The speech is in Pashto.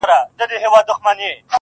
د وصال شېبه.!